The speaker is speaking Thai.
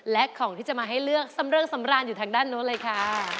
และของที่จะมาให้เลือกสำเริงสำราญอยู่ทางด้านนู้นเลยค่ะ